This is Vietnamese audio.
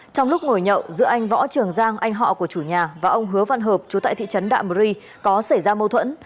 trong lúc ngồi nhậu giữa anh võ trường giang anh họ của chủ nhà và ông hứa văn hợp chú tại thị trấn đạm ri có xảy ra mâu thuẫn